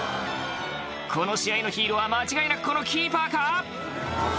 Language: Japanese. この試合のヒーローは間違いなくこのキーパーか？